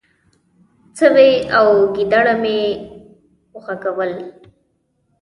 . سوی او ګيدړه مې وغږول،